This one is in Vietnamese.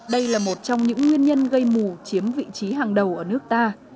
đây là một trong những nguyên nhân gây mù chiếm vị trí hàng đầu ở nước ta